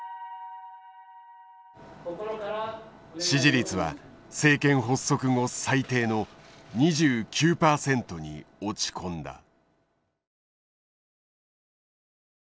支持率は政権発足後最低の２９％に落ち込んだ。